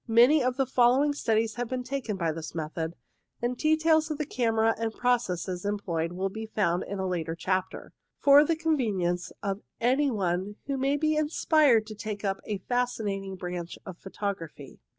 Many of the following studies have been taken by this method, and details of the camera and processes employed will be found in a later chapter, for the convenience of any one who may be inspired to take up a fascinating branch of photography.